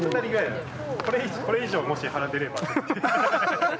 これ以上もし腹出れば。